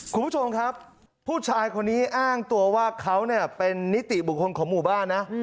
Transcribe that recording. คุณผู้ชมครับผู้ชายคนนี้อ้างตัวว่าเขาเนี่ยเป็นนิติบุคคลของหมู่บ้านนะ